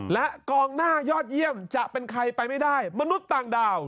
และกองหน้ายอดเยี่ยมจะเป็นใครไปไม่ได้มนุษย์ต่างดาว